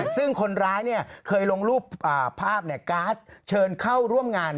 ซึ่งคนร้ายเคยลงรูปภาพการ์ดเชิญเข้าร่วมงาน